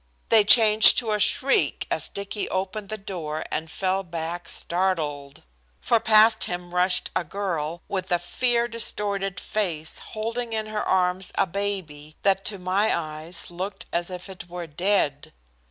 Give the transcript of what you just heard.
They changed to a shriek as Dicky opened the door and fell back startled. For past him rushed a girl with a fear distorted face holding in her arms a baby that to my eyes looked as if it were dead.